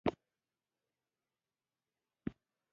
مګر مات شو او هند ته وتښتېد.